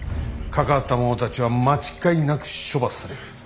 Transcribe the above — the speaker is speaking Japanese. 関わった者たちは間違いなく処罰される。